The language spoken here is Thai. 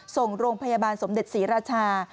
ส่งโรงพยาบาลสมเด็จศรีราชา